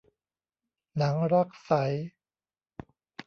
หนังรักใส